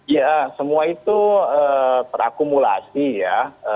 ya semua itu terakumulasi ya